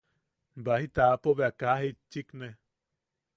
Baji taʼapo bea kaa jitchikné.